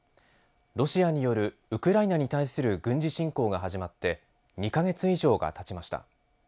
ロシアによるウクライナに対する軍事侵攻が始まって２か月以上がたちました。